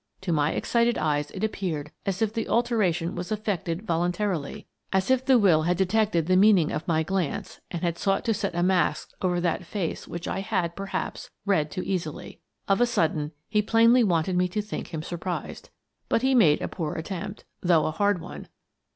To my excited eyes it appeared as if the alteration was effected volun tarily, as if the will had detected the meaning of 128 Miss Frances Baird, Detective my glance and had sought to set a mask over that face which I had, perhaps, read too easily. Of a sudden, he plainly wanted me to think him sur prised. But he made a poor attempt, though a hard one.